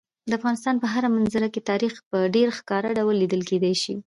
د افغانستان په هره منظره کې تاریخ په ډېر ښکاره ډول لیدل کېدی شي.